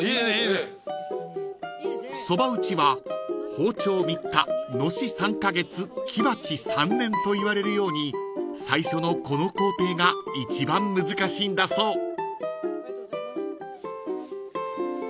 ［そば打ちは包丁３日のし３カ月木鉢３年といわれるように最初のこの工程が一番難しいんだそう］